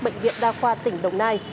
bệnh viện đa khoa tỉnh đồng nai